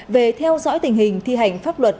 về theo dõi tình hình thi hành pháp luật